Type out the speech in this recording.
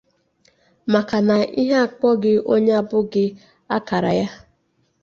maka na ihe a kpọghị onye abụghị akara ya.